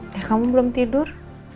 ya kamu belum tidur